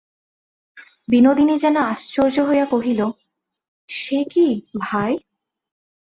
বিনোদিনী যেন আশ্চর্য হইয়া কহিল, সে কী, ভাই!